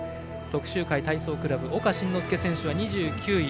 徳洲会体操クラブ岡慎之助選手は２９位。